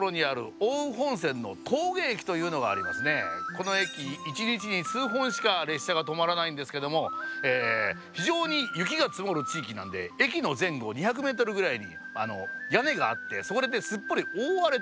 この駅１日に数本しか列車が止まらないんですけども非常に雪が積もる地域なんで駅の前後２００メートルぐらいに屋根があってそれですっぽり覆われてるんですね。